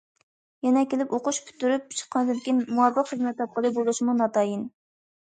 يەنە كېلىپ ئوقۇش پۈتتۈرۈپ چىققاندىن كېيىن مۇۋاپىق خىزمەت تاپقىلى بولۇشىمۇ ناتايىن.